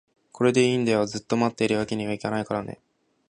これでいいんだよ、ずっと持っているわけにはいけないからね